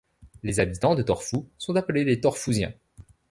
Les habitants de Torfou sont appelés les Torfousiens.